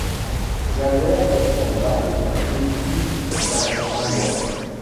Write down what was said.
Javert observa le quartier plus d’un grand mois.